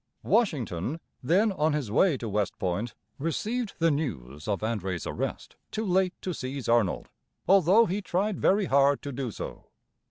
Washington, then on his way to West Point, received the news of André's arrest too late to seize Arnold, although he tried very hard to do so.